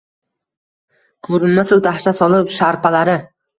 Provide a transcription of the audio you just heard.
Ko’rinmasu dahshat solib sharpalari